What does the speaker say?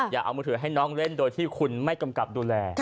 อย่าเอามือถือให้น้องเล่นโดยที่คุณไม่กำกับดูแล